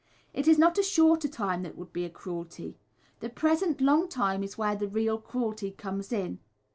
It is not a shorter time that would be a cruelty the present long time is where the real cruelty comes in.